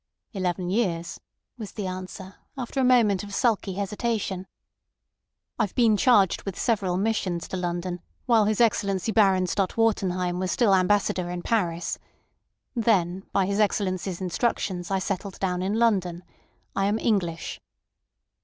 "Eleven years," was the answer, after a moment of sulky hesitation. "I've been charged with several missions to London while His Excellency Baron Stott Wartenheim was still Ambassador in Paris. Then by his Excellency's instructions I settled down in London. I am English."